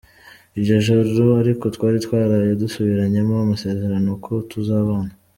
Iryo joro ariko twari twaraye dusubiranyemo amasezerano ko tuzabana.